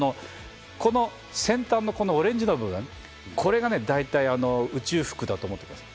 この先端のオレンジの部分、これが大体宇宙服だと思ってください。